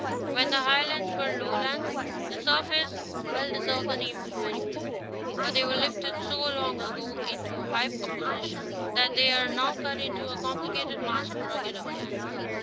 When the Highlands were lowlands, their surface well deserved the name of peneplain ; but they were lifted so long ago into so high a position that they are now cut into a complicated mass of rugged uplands.